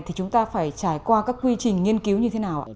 thì chúng ta phải trải qua các quy trình nghiên cứu như thế nào ạ